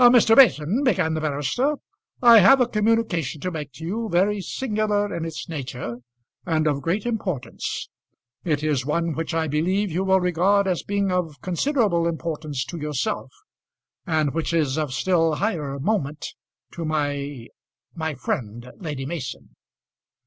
"Mr. Mason," began the barrister, "I have a communication to make to you, very singular in its nature, and of great importance. It is one which I believe you will regard as being of considerable importance to yourself, and which is of still higher moment to my my friend, Lady Mason."